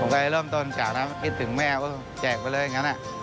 ก็เริ่มต้นจากนั้นคิดถึงแม่ก็แจกไปเลยอย่างนั้น